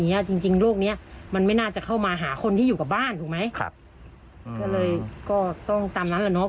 จริงจริงโรคเนี้ยมันไม่น่าจะเข้ามาหาคนที่อยู่กับบ้านถูกไหมครับก็เลยก็ต้องตามนั้นอ่ะเนาะ